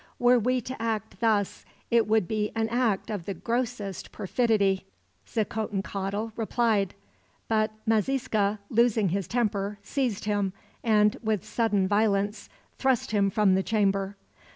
Were we to act thus, it would be an act of the grossest perfidy." Xicotencatl replied; but Maxixca, losing his temper, seized him and, with sudden violence, thrust him from the chamber.